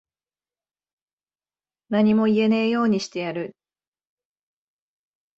何も言えねぇようにしてやる。